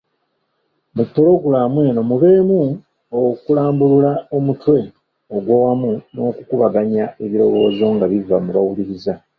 Mu pulogulaamu eno mubeemu okulambulula omutwe ogwo wamu n’okukubaganya ebirowoozo nga biva mu bawuliriza.